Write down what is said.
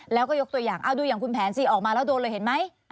แล้วก็ยกตัวอย่างเอาดูอย่างคุณแผนสิออกมาแล้วโดนเลยเห็นไหม